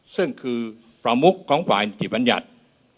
ซึ่งคือประมุขของฝ่ายนิติบัญญัติ